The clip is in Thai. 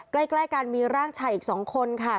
ใกล้กันมีร่างชายอีก๒คนค่ะ